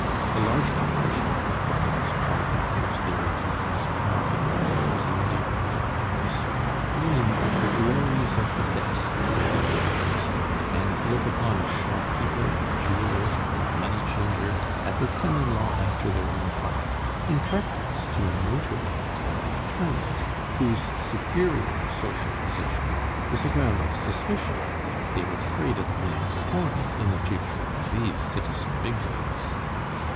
A large proportion of the farmers, corn factors, dairy keepers, and market gardeners in the neighborhood of Paris, dream of the glories of the desk for their daughters, and look upon a shopkeeper, a jeweler, or a money changer as a son in law after their own heart, in preference to a notary or an attorney, whose superior social position is a ground of suspicion; they are afraid of being scorned in the future by these citizen bigwigs.